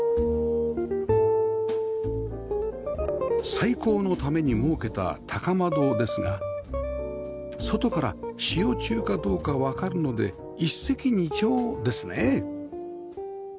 採光のために設けた高窓ですが外から使用中かどうかわかるので一石二鳥ですね